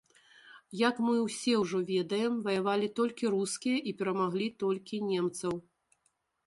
Як мы ўсе ўжо ведаем, ваявалі толькі рускія, і перамаглі толькі немцаў.